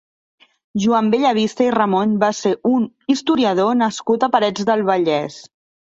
Joan Bellavista i Ramon va ser un historiador nascut a Parets del Vallès.